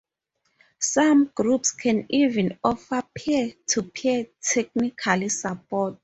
Some groups can even offer peer-to-peer technical support.